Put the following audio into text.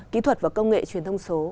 kỹ thuật và công nghệ truyền thông số